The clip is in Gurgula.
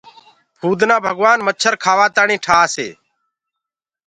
ڀمڀڻيو ڀگوآن مڇر کآوآ تآڻي ٺآس هي۔